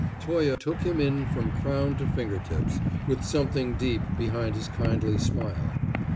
Toye took him in from crown to fingertips, with something deep behind his kindly smile.